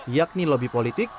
yakni lobby politik